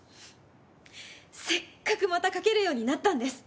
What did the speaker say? せっかくまた書けるようになったんです。